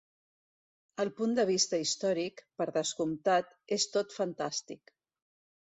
El punt de vista històric, per descomptat, és tot fantàstic.